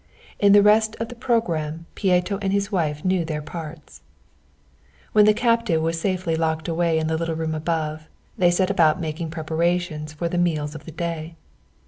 In the rest of the programme Pieto and his wife knew their parts. When the captive was safely locked away in the room above, they set about making preparations for the meals of the day.